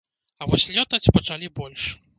А вось лётаць пачалі больш.